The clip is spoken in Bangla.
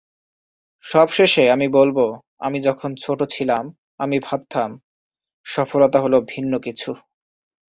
সবশেষে আমি বলব, আমি যখন ছোট ছিলাম, আমি ভাবতাম সফলতা হলো ভিন্ন কিছু।